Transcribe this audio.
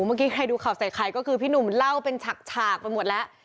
เมื่อกี้ใครดูข่าวใส่ไข่ก็คือพี่หนุ่มเล่าเป็นฉากไปหมดแล้ว